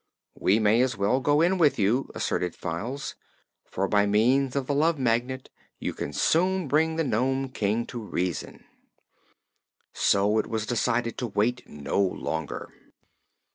"We may as well go with you," asserted Files, "for by means of the Love Magnet, you can soon bring the Nome King to reason." So it was decided to wait no longer.